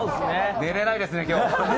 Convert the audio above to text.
寝れないですね。